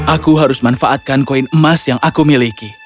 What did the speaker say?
aku harus manfaatkan koin emas yang aku miliki